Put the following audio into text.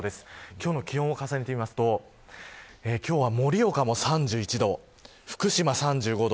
今日の気温を重ねてみますと今日は盛岡も３１度福島、３５度。